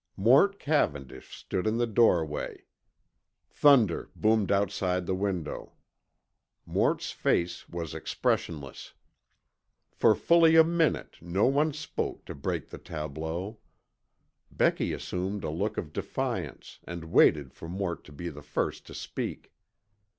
Mort Cavendish stood in the doorway. Thunder boomed outside the window. Mort's face was expressionless. For fully a minute no one spoke to break the tableau. Becky assumed a look of defiance and waited for Mort to be the first to speak.